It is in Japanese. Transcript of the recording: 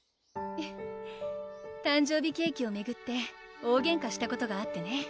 フフ誕生日ケーキをめぐって大げんかしたことがあってね